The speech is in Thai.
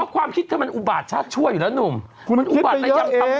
อ๋อความคิดเธอมันอุบาตชาติชั่วอยู่แล้วหนุ่มคุณคิดไปเยอะเอง